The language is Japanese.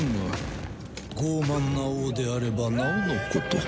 傲慢な王であればなおのこと。